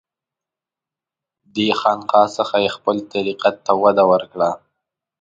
دې خانقاه څخه یې خپل طریقت ته وده ورکړه.